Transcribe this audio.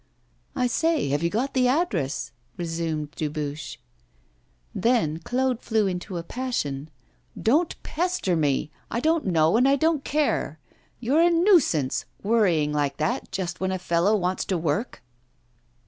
'I say, have you got the address?' resumed Dubuche. Then Claude flew into a passion. 'Don't pester me! I don't know and don't care. You're a nuisance, worrying like that just when a fellow wants to work.